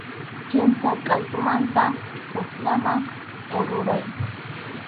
Kimsa qʼaytumanta hukllaman kururay.